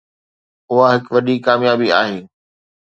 اها هڪ وڏي ڪاميابي آهي.